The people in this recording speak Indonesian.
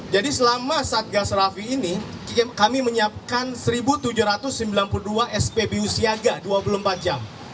jadi selama satgas rafi ini kami menyiapkan satu tujuh ratus sembilan puluh dua spbu siaga dua puluh empat jam